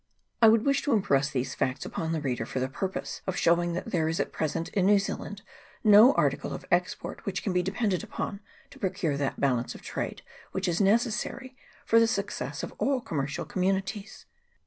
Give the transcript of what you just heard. I would wish to impress these facts upon the reader, for the purpose of showing that there is at present, in New Zealand, no article of export which can be depended upon, to procure that balance of trade which is necessary for the success of all com mercial communities.